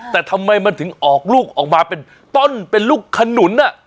แต่ทำไมมันถึงออกลูกออกมาเป็นต้นเป็นลูกขนุน